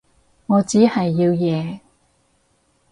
我只係要贏